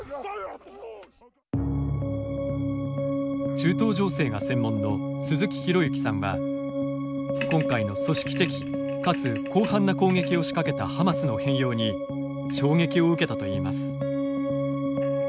中東情勢が専門の鈴木啓之さんは今回の組織的かつ広範な攻撃を仕掛けたハマスの変容に衝撃を受けたといいます。